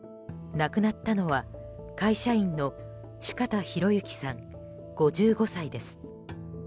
亡くなったのは会社員の四方洋行さん、５５歳です。